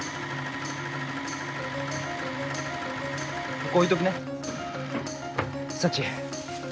・ここ置いとくね。サチ。